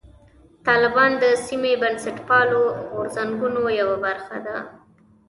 طالبان د سیمې بنسټپالو غورځنګونو یوه برخه ده.